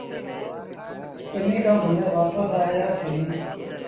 ٻنيٚ کآݩ گھمي وآپس سيٚݩ۔